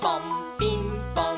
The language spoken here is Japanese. ピンポン！